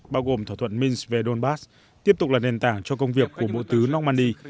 bao gồm thỏa thuận minsk về donbass tiếp tục là nền tảng cho công việc của bộ tứ normandy